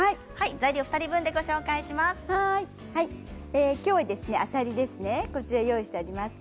材料２人分でご紹介します。